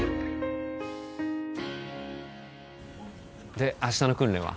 で明日の訓練は？